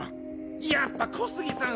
やっぱ小杉さん